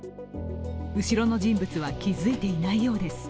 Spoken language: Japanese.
後ろの人物は気づいていないようです。